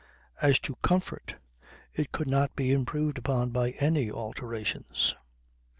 As to comfort, it could not be improved by any alterations.